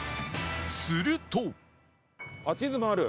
すると